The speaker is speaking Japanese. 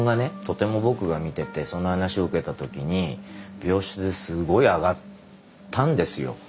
とても僕が見ててその話を受けた時に病室ですごい上がったんですよ。